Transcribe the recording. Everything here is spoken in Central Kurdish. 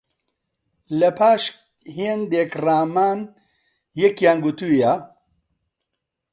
لە پاش هێندێک ڕامان، یەکیان گوتوویە: